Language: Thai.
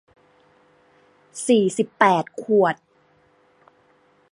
สี่สิบแปดขวด